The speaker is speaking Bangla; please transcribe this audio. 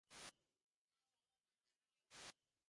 পুরো মুসাড মিলে যতজনকে না মেরেছে তারচেয়ে বেশি মানুষ মেরেছে ঐ লোক।